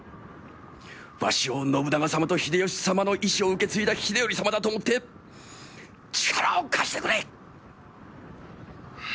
わしを信長様と秀吉様の遺志を受け継いだ秀頼様だと思って力を貸してくれ！